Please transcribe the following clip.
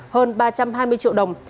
hơn ba trăm hai mươi triệu đồng